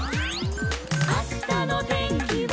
「あしたのてんきは」